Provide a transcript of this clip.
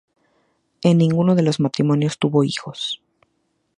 En ninguno de los matrimonios tuvo hijos.